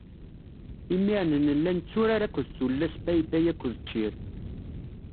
Imir-n nella netturar akked tullas paypay akked ččir.